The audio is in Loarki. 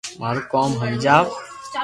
مارو ڪوم ھمجاو